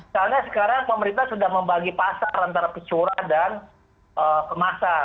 karena sekarang pemerintah sudah membagi pasar antara curah dan kemasan